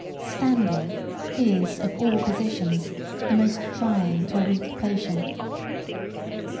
Standing is, of all positions, the most trying to a weak patient.